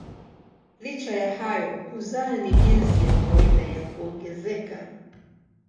Licha ya hayo kuzaa ni jinsi ya kawaida ya kuongezeka.